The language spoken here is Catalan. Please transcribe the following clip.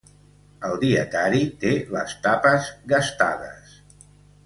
El dietari té les tapes gastades.